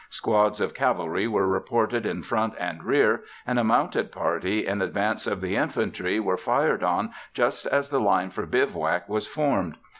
Squads of cavalry were reported in front and rear, and a mounted party, in advance of the infantry, were fired on just as the line for bivouac was formed.